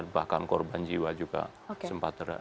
bahkan korban jiwa juga sempat